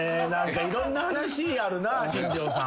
いろんな話あるな新庄さん。